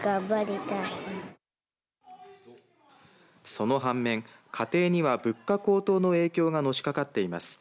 その反面、家庭には物価高騰の影響がのしかかっています。